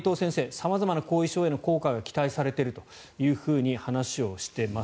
様々な後遺症への効果が期待されていると話をしています。